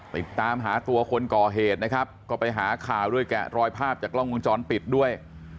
ติดตามหาตัวคนก่อเหตุนะครับก็ไปหาข่าวด้วยแกะรอยภาพจากกล้องวงจรปิดด้วย